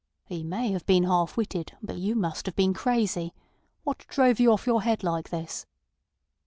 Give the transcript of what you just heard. "He may've been half witted, but you must have been crazy. What drove you off your head like this?"